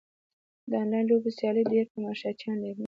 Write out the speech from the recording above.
د انلاین لوبو سیالۍ ډېر تماشچیان لري.